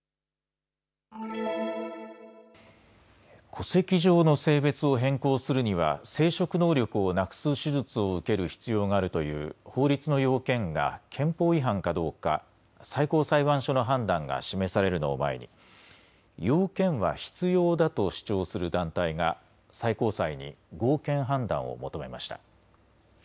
戸籍上の性別を変更するには生殖能力をなくす手術を受ける必要があるという法律の要件が憲法違反かどうか最高裁判所の判断が示されるのを前に要件は必要だと主張する団体が最高裁に合憲判断を求めました。